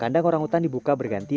kandang orang hutan dibuka berganti